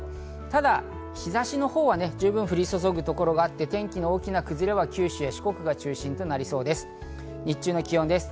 ただ日差しのほうは十分、降り注ぐところがあって、天気の大きな崩れは九州や四国が中心となりそうです。